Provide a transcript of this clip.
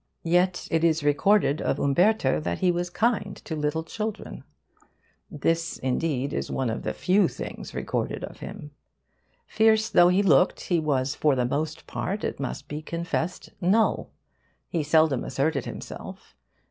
Yet it is recorded of Umberto that he was kind to little children. This, indeed, is one of the few things recorded of him. Fierce though he looked, he was, for the most part, it must be confessed, null. He seldom asserted himself.